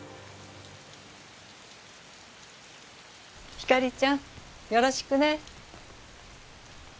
ひかりちゃんよろしくね。